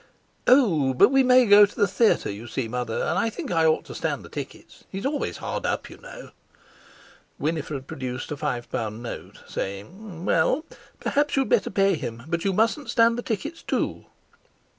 "Oh, but we may go to the theatre, you see, Mother; and I think I ought to stand the tickets; he's always hard up, you know." Winifred produced a five pound note, saying: "Well, perhaps you'd better pay him, but you mustn't stand the tickets too."